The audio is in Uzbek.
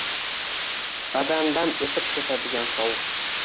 Badandan o`tib ketadigan sovuq